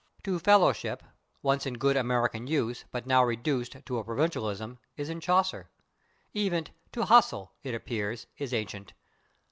/To fellowship/, once in good American use but now reduced to a provincialism, is in Chaucer. Even /to hustle/, it appears, is ancient.